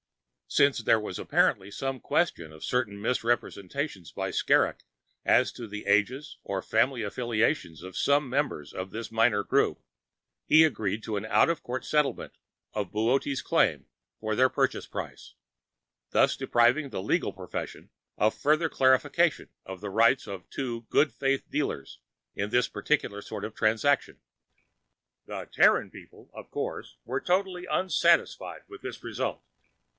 Since there was apparently some question of certain misrepresentations by Skrrgck as to the ages or family affiliations of some members of this minor group, he agreed to an out of court settlement of Boötes' claim for their purchase price, thus depriving the legal profession of further clarification of the rights of two "good faith" dealers in this peculiar sort of transaction. The Terran people, of course, were totally unsatisfied with this result.